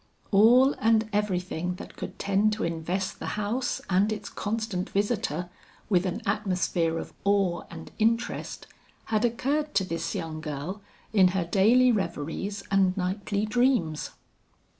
All and everything that could tend to invest the house and its constant visitor with an atmosphere of awe and interest, had occurred to this young girl in her daily reveries and nightly dreams.